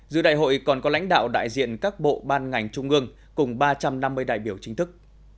dự đại hội còn có lãnh đạo đại diện các bộ ban ngành trung ương cùng ba trăm năm mươi đại biểu chính thức